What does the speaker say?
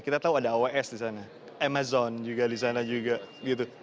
kita tahu ada aos di sana amazon juga di sana juga gitu